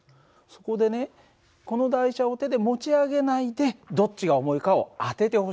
そこでねこの台車を手で持ち上げないでどっちが重いかを当ててほしいの。